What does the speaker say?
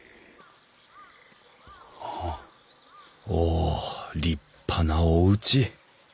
お立派なおうち。